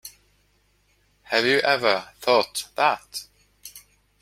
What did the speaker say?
Have you ever thought that?